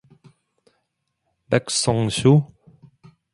"백성수?